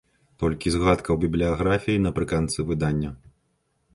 Толькі згадка ў бібліяграфіі напрыканцы выдання.